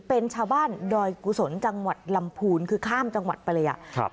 เป็นชาวบ้านดอยกุศลจังหวัดลำพูนคือข้ามจังหวัดไปเลยอ่ะครับ